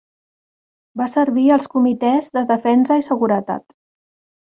Va servir als comitès de defensa i seguretat.